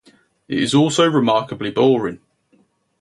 It is also remarkably boring.